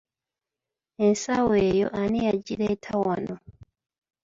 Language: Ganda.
Ensawo eyo ani yagireeta wano?